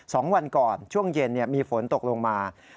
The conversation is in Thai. สองวันก่อนช่วงเย็นมีฝนตกลงมา